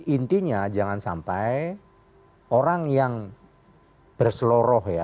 intinya jangan sampai orang yang berseloroh ya